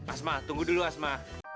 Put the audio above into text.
asma tunggu dulu asma